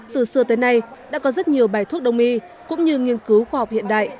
từ xưa tới nay đã có rất nhiều bài thuốc đông y cũng như nghiên cứu khoa học hiện đại